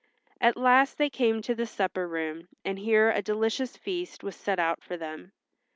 At last they came to the supper room, and here a delicious feast was set out for them.